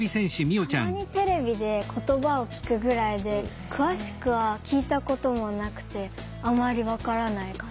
たまにテレビで言葉を聞くぐらいで詳しくは聞いたこともなくてあまり分からない感じです。